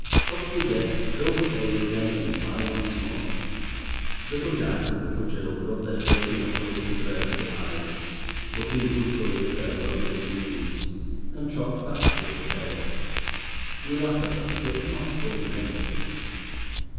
Up you get, fill the pail again, and try once more." Little Jack and little Jill rub their dirty knuckles into their little eyes, looking ruefully at their bloody little knees, and trot back with the pail. We laugh at them, but not ill naturedly.